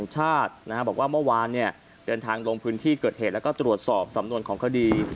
จากลงพื้นที่เกิดเหตุและตรวจสอบสำนวนของคดี